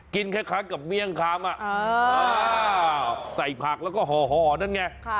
คล้ายกับเมี่ยงคำใส่ผักแล้วก็ห่อนั่นไง